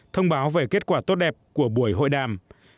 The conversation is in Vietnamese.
thông báo về kết quả tốt đẹp của buổi hội đàm